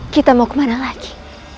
kita mau kemana lagi